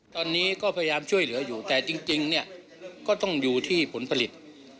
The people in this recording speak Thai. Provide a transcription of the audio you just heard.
ตอนนี้ก็พยายามช่วยเหลืออยู่แต่จริงเนี่ยก็ต้องอยู่ที่ผลผลิต